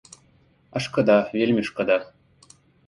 А шкада, вельмі шкада!